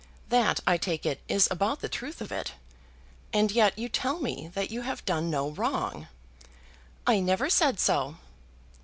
That, I take it, is about the truth of it, and yet you tell me that you have done no wrong." "I never said so."